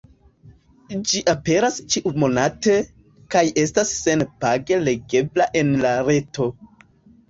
Ĝi aperas ĉiu-monate, kaj estas sen-page legebla en la reto.